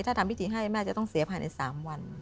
ถ้าทำพิธีให้แม่จะต้องเสียภายใน๓วัน